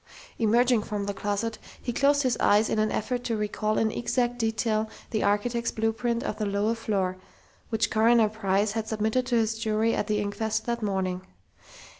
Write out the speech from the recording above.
Emerging from the closet he closed his eyes in an effort to recall in exact detail the architect's blueprint of the lower floor, which Coroner Price had submitted to his jury at the inquest that morning.